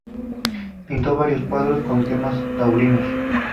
Pintó varios cuadros con temas taurinos.